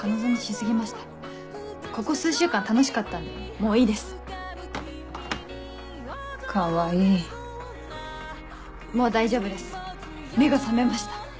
もう大丈夫です目が覚めました。